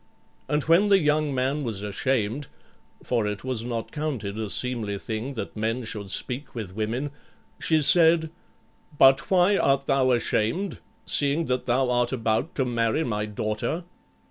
And when the young man was ashamed (for it was not counted a seemly thing that men should speak with women) she said: "But why art thou ashamed, seeing that thou art about to marry my daughter?"